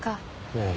ええ。